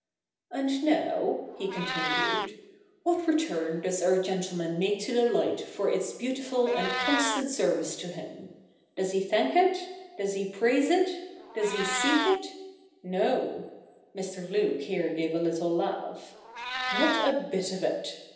'And now,' he continued, 'what return does our gentleman make to the light for its beautiful and constant service to him ? Does he thank it ? does he praise it ? does he seek it? No—' Mr. Luke here gave a little laugh — 'not a bit of it !